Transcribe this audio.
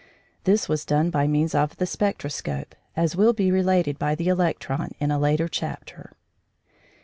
This was done by means of the spectroscope, as will be related by the electron in a later chapter.